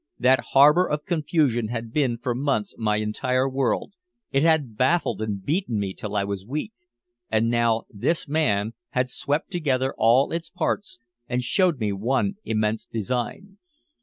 That harbor of confusion had been for months my entire world, it had baffled and beaten me till I was weak. And now this man had swept together all its parts and showed me one immense design.